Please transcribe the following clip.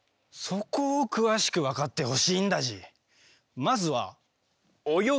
そこを詳しく分かってほしいんだＧ。